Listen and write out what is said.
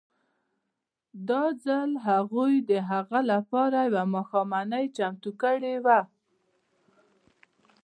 دا ځل هغوی د هغه لپاره یوه ماښامنۍ چمتو کړې وه